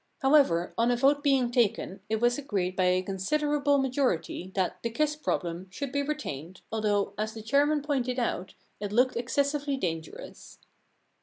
However, on a vote being taken, it was agreed by a considerable majority that * The Kiss Problem ' should be retained, although, as the chairman pointed out, it looked exces sively dangerous.